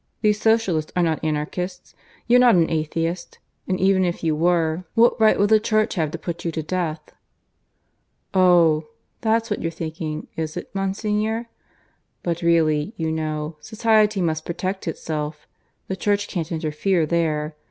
These Socialists are not Anarchists. You're not an atheist. And even if you were, what right would the Church have to put you to death?" "Oh! that's what you're thinking, is it, Monsignor? But really, you know, Society must protect itself. The Church can't interfere there.